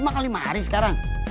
lu makan lima hari sekarang